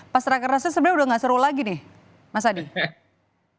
pas rakernasnya sebenarnya udah gak seru lagi nih mas adi